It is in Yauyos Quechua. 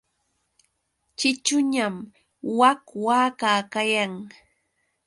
Ćhićhuñam wak waka kayan.